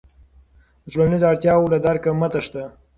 د ټولنیزو اړتیاوو له درکه مه تېښته.